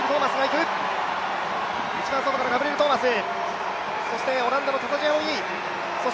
一番外からガブリエル・トーマス。